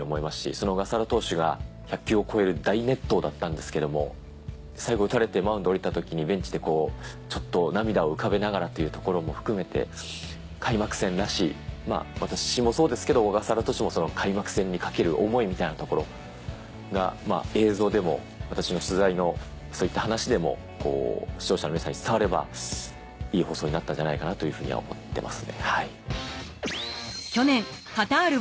その小笠原投手が１００球を超える大熱投だったんですけども最後打たれてマウンドを降りた時にベンチでちょっと涙を浮かべながらというところも含めて開幕戦らしい私もそうですけど小笠原投手もその開幕戦にかける思いみたいなところが映像でも私の取材のそういった話でも視聴者の皆さんに伝わればいい放送になったんじゃないかなというふうには思ってます。